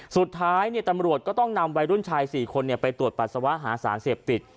สุดท้ายตำรวจก็ต้องนำวัยรุ่นชาย๔คนไปตรวจปัสสาวะหาสารเสพติด